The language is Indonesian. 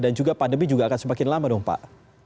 juga pandemi juga akan semakin lama dong pak